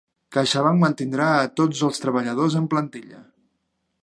CaixaBank mantindrà a tots els treballadors en plantilla